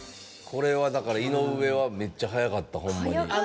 これはだから井上はめっちゃ早かったホンマに。